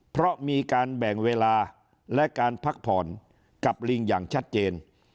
เพราะมีการแบ่งเวลาและการพักผ่อนกับลิงอย่างชัดเจน